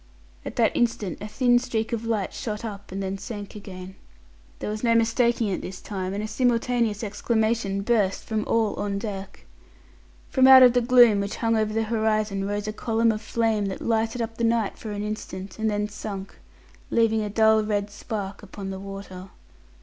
At that instant a thin streak of light shot up and then sank again. There was no mistaking it this time, and a simultaneous exclamation burst from all on deck. From out the gloom which hung over the horizon rose a column of flame that lighted up the night for an instant, and then sunk, leaving a dull red spark upon the water.